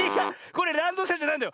これランドセルじゃないんだよ。